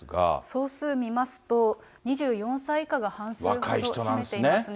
総数見ますと、２４歳以下が半数ほど占めてますね。